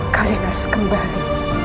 kalian harus kembali